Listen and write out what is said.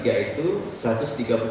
jadi subsidi sebesar ini